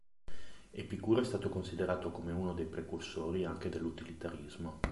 Epicuro è stato considerato come uno dei precursori anche dall'utilitarismo.